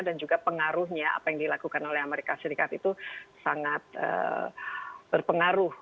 dan juga pengaruhnya apa yang dilakukan oleh amerika serikat itu sangat berpengaruh